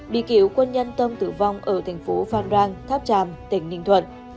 bị kiểu quân nhân tâm tử vong ở thành phố phan rang tháp tràm tỉnh ninh thuận